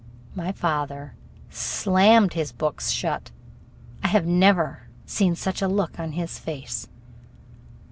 My father slammed his book shut. I had never seen such a look on his face.